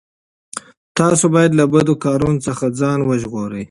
تاسو باید له بدو کارونو څخه ځان وژغورئ.